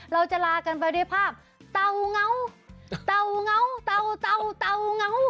เราจะลากันไปด้วยภาพเตาเงาเตาเงาเตาเตาเตาเหงา